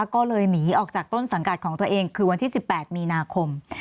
ก็เลยหนีออกจากต้นสังกัดของตัวเองคือวันที่๑๘มีนาคม